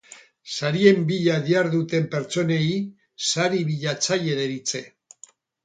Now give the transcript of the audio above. Sarien bila diharduten pertsonei sari bilatzaile deritze.